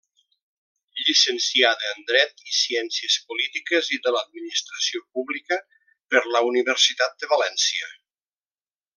Llicenciada en dret i ciències polítiques i de l'administració pública per la Universitat de València.